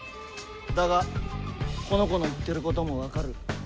だがこの子の言ってることも分かる。